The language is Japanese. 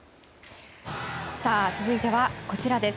続いてはこちらです。